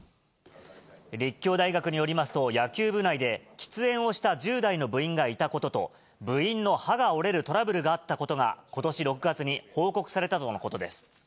立教大学によりますと、野球部内で、喫煙をした１０代の部員がいたことと、部員の歯が折れるトラブルがあったことがことし６月に、報告されたとのことです。